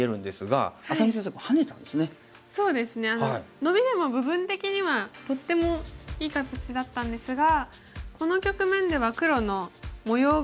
ノビでも部分的にはとってもいい形だったんですがこの局面では黒の模様が。